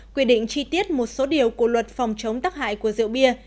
quy định chi tiết một số điều của luật phòng chống tắc hại của rượu bia